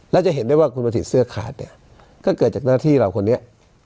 แล้วจะเห็นได้ว่าคุณประสิทธิ์เสื้อขาดเนี่ยก็เกิดจากหน้าที่เราคนนี้